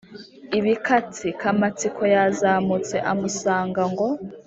ibikatsi. Kamatsiko yazamutse amusanga ngo